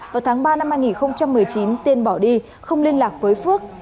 vào tháng ba năm hai nghìn một mươi chín tiên bỏ đi không liên lạc với phước